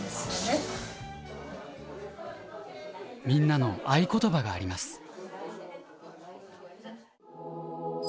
みんなの合言葉があります。